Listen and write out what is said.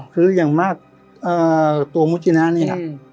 คือยังมากเอ่อตัวมุจินาเนี้ยอืม